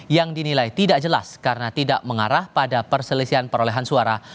yang dinilai tidak jelas karena tidak mengarah pada perselisihan perolehan suara